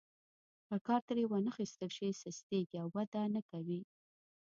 که کار ترې وانخیستل شي سستیږي او وده نه کوي.